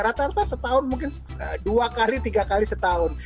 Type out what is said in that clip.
rata rata setahun mungkin dua kali tiga kali setahun